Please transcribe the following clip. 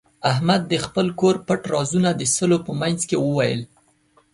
احمد د خپل کور پټ رازونه د سلو په منځ کې وویل.